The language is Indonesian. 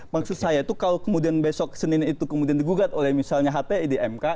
maksud saya itu kalau kemudian besok senin itu kemudian digugat oleh misalnya hti di mk